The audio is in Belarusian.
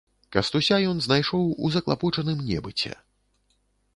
Кастуся ён знайшоў у заклапочаным небыце.